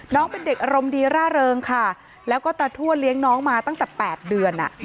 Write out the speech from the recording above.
น้องเป็นเด็กอารมณ์ดีร่าเริงค่ะแล้วก็ตาทั่วเลี้ยงน้องมาตั้งแต่๘เดือน